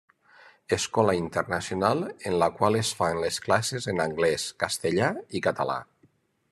Escola internacional en la qual es fan les classes en anglès, castellà i català.